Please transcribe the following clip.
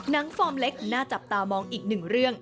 ฟอร์มเล็กน่าจับตามองอีกหนึ่งเรื่อง